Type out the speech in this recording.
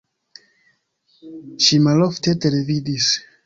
Ŝi malofte televidis.